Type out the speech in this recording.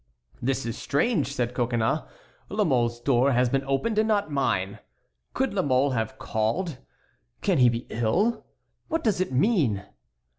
"This is strange," said Coconnas, "La Mole's door has been opened and not mine. Could La Mole have called? Can he be ill? What does it mean?"